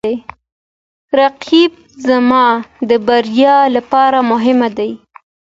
رقیب زما د بریا لپاره مهم دی